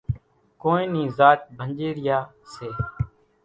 ڪونئين نِي زاچ ڀنڄيريا سي۔